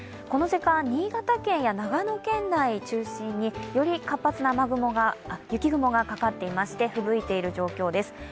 この時間、新潟県や長野県内を中心により活発な雨雲が雪雲がかかっていまして、吹雪いている状況です。